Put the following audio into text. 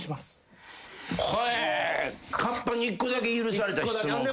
カッパに１個だけ許された質問か。